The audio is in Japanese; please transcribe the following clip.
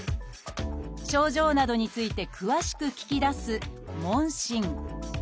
症状などについて詳しく聞き出す「問診」。